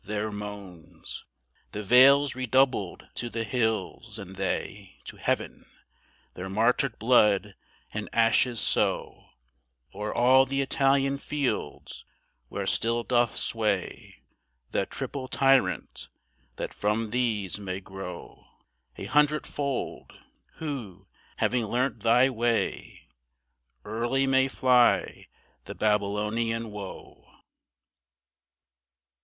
Their moansThe vales redoubled to the hills, and theyTo heaven. Their martyred blood and ashes sowO'er all the Italian fields, where still doth swayThe triple Tyrant; that from these may growA hundredfold, who, having learnt thy way, Early may fly the Babylonian woe.